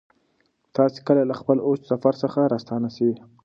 تاسې کله له خپل اوږد سفر څخه راستانه سوئ؟